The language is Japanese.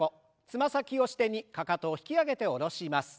つま先を支点にかかとを引き上げて下ろします。